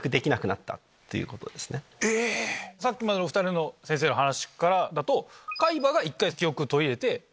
さっきまでのお２人の先生の話からだと。